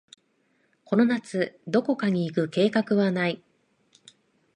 その夏、どこかに行く計画はない。